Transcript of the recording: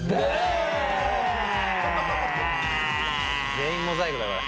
全員モザイクだこれ。